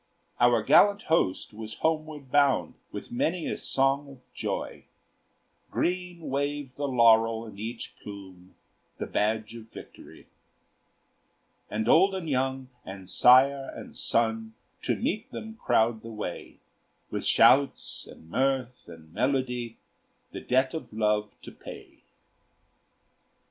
Our gallant host was homeward bound With many a song of joy; Green waved the laurel in each plume, The badge of victory. And old and young, and sire and son, To meet them crowd the way, With shouts, and mirth, and melody, The debt of love to pay.